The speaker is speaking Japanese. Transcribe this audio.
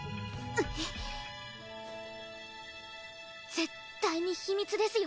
絶対に秘密ですよ。